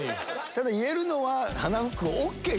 ただ言えるのは。